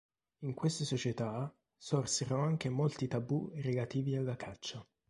In queste società sorsero anche molti tabù relativi alla caccia.